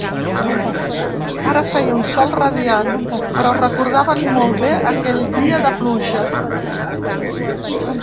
Ara feia un sol radiant, però recordaven molt bé aquell dia de pluja.